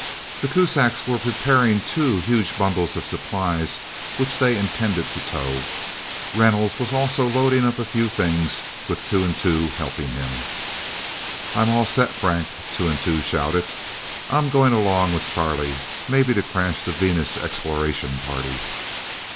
The Kuzaks were preparing two huge bundles of supplies, which they intended to tow. Reynolds was also loading up a few things, with Two and Two helping him. "I'm all set, Frank!" Two and Two shouted. "I'm going along with Charlie, maybe to crash the Venus exploration party!"